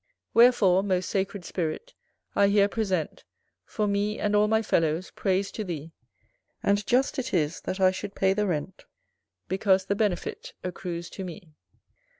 Wherefore, most sacred Spirit! I here present, For me, and all my fellows, praise to thee; And just it is, that I should pay the rent, Because the benefit accrues to me.